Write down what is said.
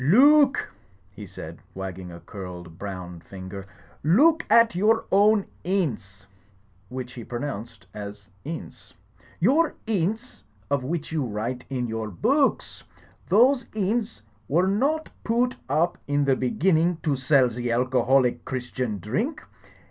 *'Loo ook," he said, wagging a curled brown finger, *1oo ook at your own inns'*^ (which he pronounced as 'We'*). Your inns of which you write in your boo ooks ! Those inns were not poo oot up in the be ginning to sell ze alcoholic Christian drink.